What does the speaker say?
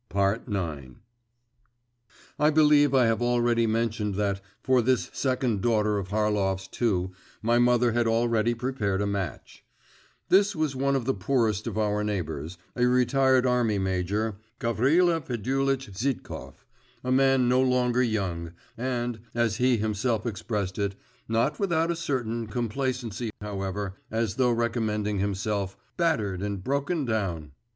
IX I believe I have already mentioned that, for this second daughter of Harlov's too, my mother had already prepared a match. This was one of the poorest of our neighbours, a retired army major, Gavrila Fedulitch Zhitkov, a man no longer young, and, as he himself expressed it, not without a certain complacency, however, as though recommending himself, 'battered and broken down.